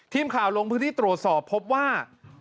ทีมข่าวลงพื้นที่ตรวจสอบพบว่า